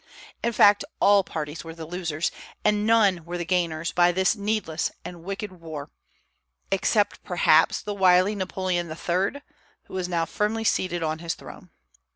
In fact, all parties were the losers, and none were the gainers, by this needless and wicked war, except perhaps the wily Napoleon III., who was now firmly seated on his throne.